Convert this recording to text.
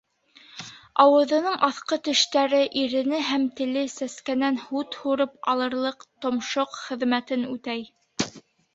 Ауыҙының аҫҡы тештәре, ирене һәм теле сәскәнән һут һурып алырлыҡ томшоҡ хеҙмәтен үтәй.